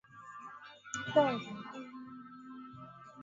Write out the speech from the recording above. kutoka kwa viongozi kwa wanahabari na vyombo vyao